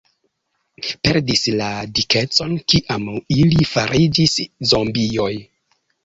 ... perdis la dikecon kiam ili fariĝis zombioj.